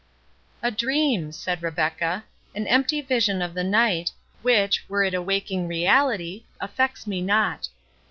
"A dream," said Rebecca; "an empty vision of the night, which, were it a waking reality, affects me not.